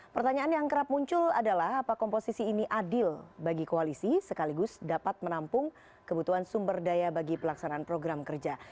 pertanyaan yang kerap muncul adalah apa komposisi ini adil bagi koalisi sekaligus dapat menampung kebutuhan sumber daya bagi pelaksanaan program kerja